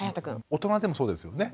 大人でもそうですよね？